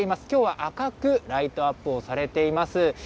きょうは赤くライトアップをされています。